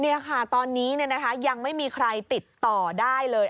นี่ค่ะตอนนี้ยังไม่มีใครติดต่อได้เลย